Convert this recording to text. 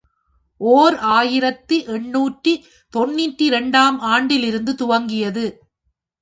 ஓர் ஆயிரத்து எண்ணூற்று தொன்னூற்றிரண்டு ஆம் ஆண்டிலிருந்து துவங்கியது.